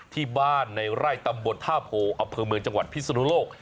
ที่บ้านในไร่ตำบลท่าโพอำเภอเมืองจังหวัดพิศนุโลก